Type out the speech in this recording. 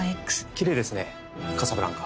キレイですねカサブランカ。